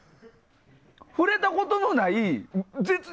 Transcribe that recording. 触れたことのない。